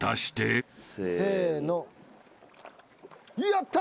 やった！